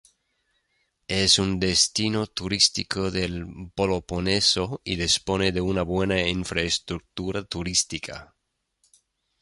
Es un destino turístico del Peloponeso y dispone de una buena infraestructura turística.